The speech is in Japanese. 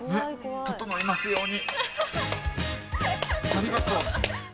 ととのいますように！